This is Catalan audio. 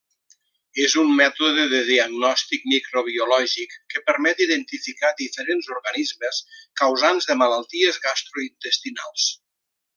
És un mètode de diagnòstic microbiològic que permet identificar diferents organismes causants de malalties gastrointestinals.